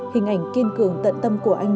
hình ảnh kiên cường tận tâm của anh